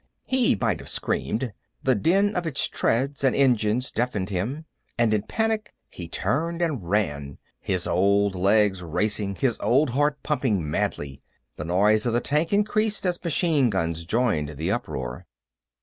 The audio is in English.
He might have screamed the din of its treads and engines deafened him and, in panic, he turned and ran, his old legs racing, his old heart pumping madly. The noise of the tank increased as machine guns joined the uproar.